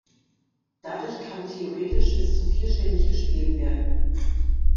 Dadurch kann theoretisch bis zu vierstimmig gespielt werden.